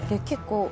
結構。